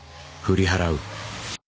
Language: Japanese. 振り払う？